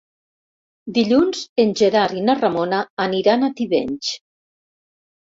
Dilluns en Gerard i na Ramona aniran a Tivenys.